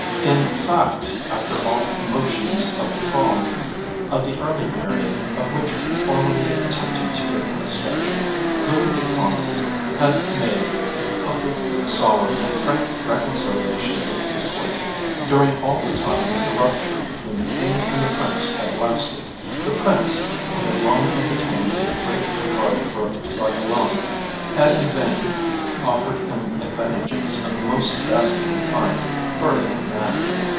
In fact, after all the commotions of the Fronde, of the early period of which we formerly attempted to give a sketch, Louis de Conde had made a public, solemn and frank reconciliation with the court. During all the time that the rupture between the king and the prince had lasted, the prince, who had long entertained a great regard for Bragelonne, had in vain offered him advantages of the most dazzling kind for a young man.